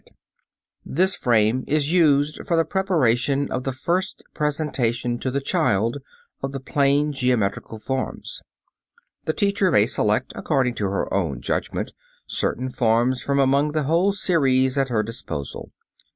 ] This frame is used for the preparation of the first presentation to the child of the plane geometrical forms. The teacher may select according to her own judgment certain forms from among the whole series at her disposal.